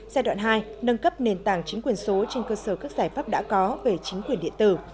giai đoạn hai nâng cấp nền tảng chính quyền số trên cơ sở các giải pháp đã có về chính quyền điện tử